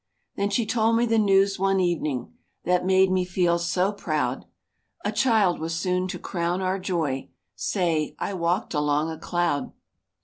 Then she told me the news one evening, That made me feel so proud; A child was soon to crown our joy; Say;—I walked along a cloud!